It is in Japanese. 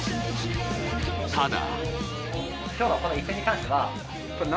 ただ。